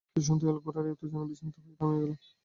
কৃষ্ণদয়াল গোরার এই উত্তেজনায় বিস্মিত হইয়া থামিয়া গেলেন।